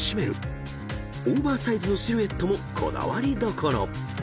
［オーバーサイズのシルエットもこだわりどころ］